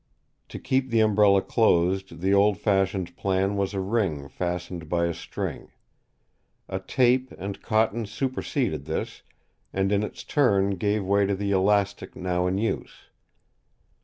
To keep the Umbrella closed the old fashioned plan was a ring fastened by a string. A tape and cotton superseded this, and in its turn gave way to the elastic now in use.